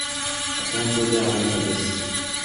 Окуянын чоо жайы азырынча белгисиз.